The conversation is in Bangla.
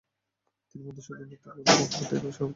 তিনি মধুসূদন দত্ত ও ভূদেব মুখোপাধ্যায় এর সহপাঠী ছিলেন।